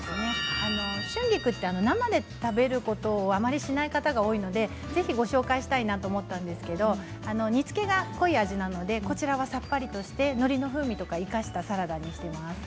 春菊は生で食べることをあまりしない方が多いのでぜひご紹介したいなと思ったんですけれど煮つけが濃い味なのでこちらはさっぱりとしてのりの風味を生かしたサラダにしています。